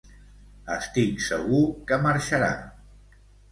Estic segur que marxarà.